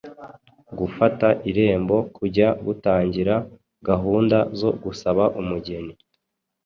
Gufata irembo: kujya gutangira gahunda zo gusaba umugeni